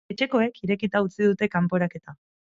Etxekoek irekita utzi dute kanporaketa.